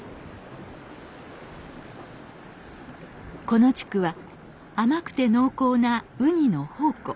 この地区は甘くて濃厚なウニの宝庫。